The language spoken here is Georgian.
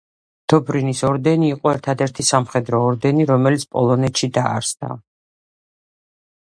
დობრინის ორდენი იყო ერთადერთი სამხედრო ორდენი, რომელიც პოლონეთში დაარსდა.